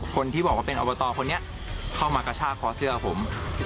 คนที่บอกว่าเป็นอบตคนนี้เข้ามากระชากคอเสื้อผม